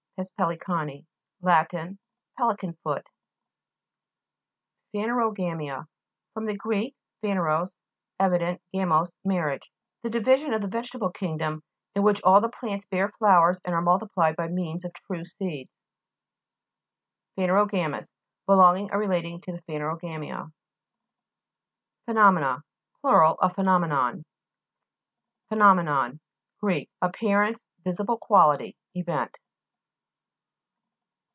PES PELICA'NI Lat. Pelican foot. PHANEROGA'MIA fr. gr. phaneros, evident, gamos, marriage. The di vision of the vegetable kingdom in which all the plants bear flowers, and are multiplied by means of true PHANERO'GAMOUS Belonging or re lating to phaneroga'mia. PHEjfo'MEjr A Plur. of phenomenon. PHENO'MENON Gr. Appearance, vi sible quality, event.